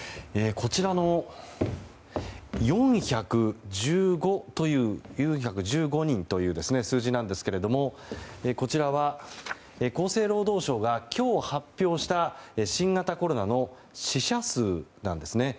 こちらの４１５人という数字なんですけどもこちらは厚生労働省が今日発表した新型コロナの死者数なんですね。